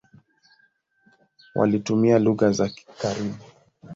Walitumia lugha za karibu.